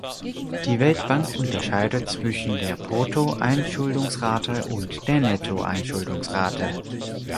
Die Weltbank unterscheidet zwischen der Brutto-Einschulungsrate und der Netto-Einschulungsrate.